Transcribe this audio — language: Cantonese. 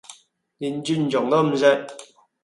連尊重都唔識